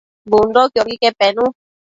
Bundoquiobi que penu